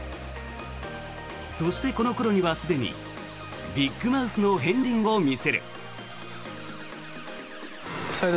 そして、この頃にはすでにビッグマウスの片りんを見せる。